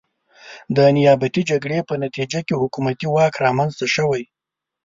د نیابتي جګړې په نتیجه کې حکومتي واک رامنځته شوی.